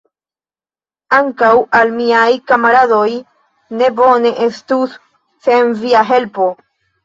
Ankaŭ al miaj kamaradoj ne bone estus sen via helpo!